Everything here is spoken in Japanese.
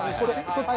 そっち？